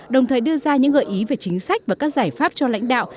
đồng thời đưa ra những gợi ý về chính sách và các giải pháp cho lãnh đạo